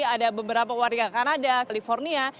ada beberapa warga kanada california